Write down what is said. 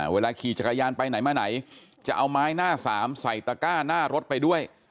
ขี่จักรยานไปไหนมาไหนจะเอาไม้หน้าสามใส่ตะก้าหน้ารถไปด้วย